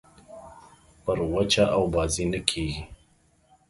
پر وچه اوبازي نه کېږي.